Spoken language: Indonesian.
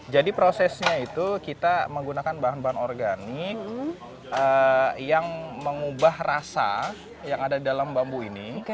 jadi prosesnya itu kita menggunakan bahan bahan organik yang mengubah rasa yang ada dalam bambu ini